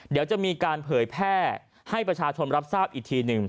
เดี๋ยวจะมีการเผยแพร่ให้ประชาชนรับทราบอีกทีหนึ่ง